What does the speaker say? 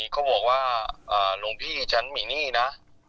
เขาบอกว่าหลวงพี่ฉันมีหนี้นะ